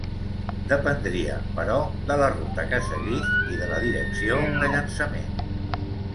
Dependria, però, de la ruta que seguís i de la direcció de llançament.